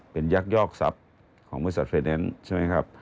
เป็นยักยอกทรัพย์ของบริษัทไฟแนนซ์ใช่ไหมครับ